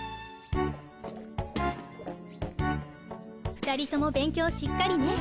２人とも勉強しっかりね。